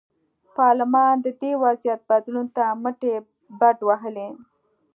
پارلمان د دې وضعیت بدلون ته مټې بډ وهلې.